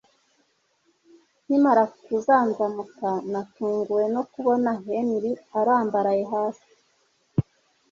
Nkimara kuzanzamuka natunguwe no kubona Henry arambaraye hasi